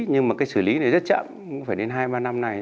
nhưng mà cái xử lý này rất chậm cũng phải đến hai ba năm này